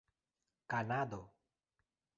kanado